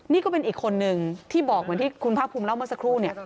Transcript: นี่ก็เป็นอีกคนนึงที่บอกเหมือนที่คุณภาคภูมิเล่าเมื่อสักครู่เนี่ย